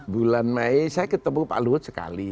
bulan mei saya ketemu pak luhut sekali